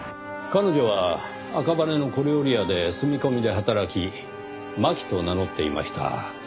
彼女は赤羽の小料理屋で住み込みで働きマキと名乗っていました。